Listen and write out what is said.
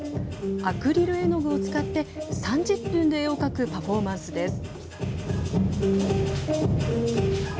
アクリル絵の具を使って３０分で絵を描くパフォーマンスです。